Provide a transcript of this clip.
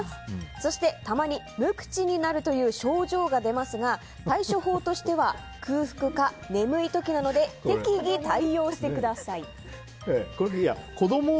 そしてたまに無口になるという症状が出ますが対処法としては空腹か眠い時なので適宜対応してください。